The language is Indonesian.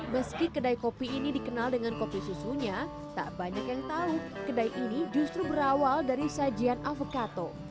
meski kedai kopi ini dikenal dengan kopi susunya tak banyak yang tahu kedai ini justru berawal dari sajian avocado